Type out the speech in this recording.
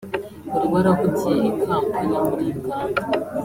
wari warahugiye i Kampala muri Uganda